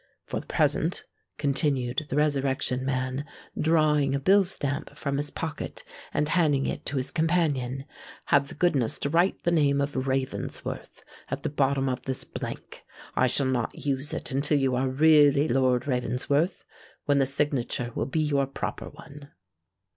For the present," continued the Resurrection Man, drawing a bill stamp from his pocket, and handing it to his companion, "have the goodness to write the name of Ravensworth at the bottom of this blank. I shall not use it until you are really Lord Ravensworth, when the signature will be your proper one."